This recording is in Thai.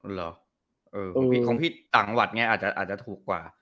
เหรอของพี่ต่างวัดไงอาจจะถูกกว่า